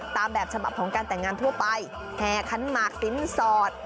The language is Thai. ตามแบบฉบับของการแต่งงานทั่วไปแห่ขันหมากสินสอด